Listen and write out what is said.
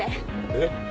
えっ？